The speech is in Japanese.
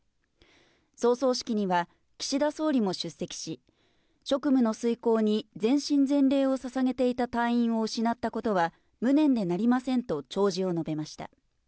葬送式には岸田総理も出席し、職務の遂行に全身全霊をささげていた隊員を失ったことは、無念でなりませんと弔辞を述べました。